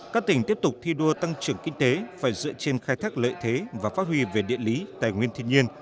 các tỉnh tiếp tục thi đua tăng trưởng kinh tế phải dựa trên khai thác lợi thế và phát huy về địa lý tài nguyên thiên nhiên